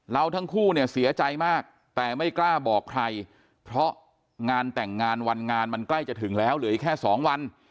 ทั้งคู่เนี่ยเสียใจมากแต่ไม่กล้าบอกใครเพราะงานแต่งงานวันงานมันใกล้จะถึงแล้วเหลืออีกแค่๒วัน